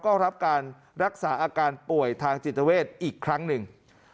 ก็รับการรักษาอาการป่วยทางจิตเวทอีกครั้งหนึ่ง